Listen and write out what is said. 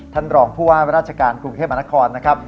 ท่านรองผู้ว่าราชการกรุงเทพมหานครนะครับ